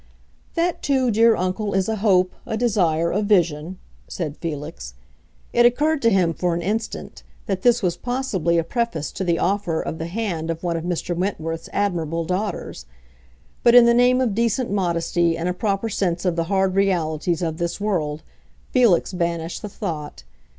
"That too, dear uncle, is a hope, a desire, a vision," said Felix. It occurred to him for an instant that this was possibly a preface to the offer of the hand of one of Mr. Wentworth's admirable daughters. But in the name of decent modesty and a proper sense of the hard realities of this world, Felix banished the thought.